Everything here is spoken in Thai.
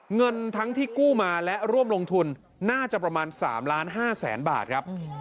เงินทั้งที่กู้มาและร่วมลงทุนน่าจะประมาณ๓ล้าน๕แสนบาทครับ